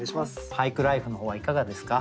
俳句ライフの方はいかがですか？